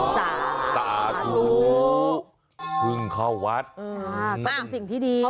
สาธุสาธุพึ่งเข้าวัดอืมสิ่งที่ดี